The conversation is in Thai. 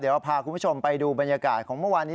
เดี๋ยวเราพาคุณผู้ชมไปดูบรรยากาศของเมื่อวานนี้